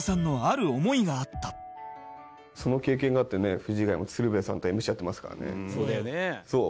その経験があってね藤ヶ谷も鶴瓶さんとＭＣやってますからね。